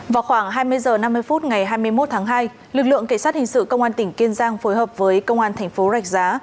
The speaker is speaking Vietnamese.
vào khoảng hai mươi h năm mươi phút ngày hai mươi một tháng hai lực lượng cảnh sát hình sự công an tỉnh kiên giang phối hợp với công an thành phố rạch giá